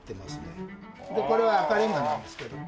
これは赤レンガなんですけども。